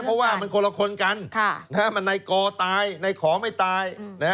เพราะว่ามันคนละคนกันมันในกอตายในขอไม่ตาย